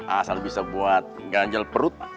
asal bisa buat ganjal perut